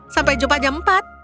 sampai jumpa jam empat